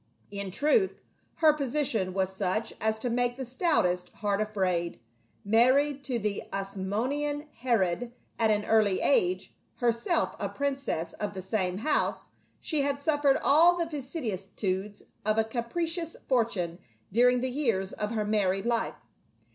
In truth, her position was such as to make the stoutest heart afraid : married to the Asmo nean Herod at an early age, herself a princess of the same house, she had suffered all the vicissitudes of a capricious fortune during the years of her married life.